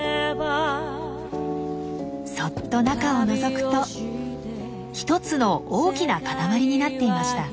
そっと中をのぞくと１つの大きな塊になっていました。